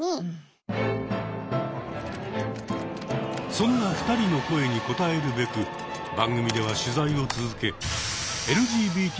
そんな２人の声に応えるべく番組では取材を続けＬＧＢＴ